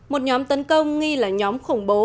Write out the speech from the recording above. một nhóm tấn công nghi là nhóm khủng bố